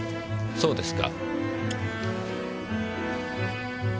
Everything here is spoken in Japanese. そうですか。